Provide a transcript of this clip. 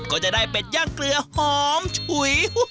ก็จะได้เป็ดย่างเกลือหอมฉุย